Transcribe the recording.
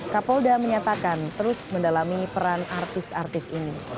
kapolda menyatakan terus mendalami peran artis artis ini